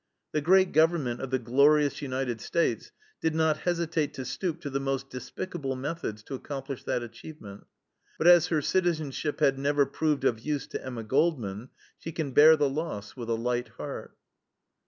The great government of the glorious United States did not hesitate to stoop to the most despicable methods to accomplish that achievement. But as her citizenship had never proved of use to Emma Goldman, she can bear the loss with a light heart.